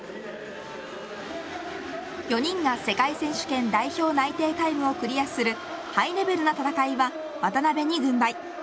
４人が世界選手権代表内定タイムをクリアするハイレベルな戦いは渡辺に軍配。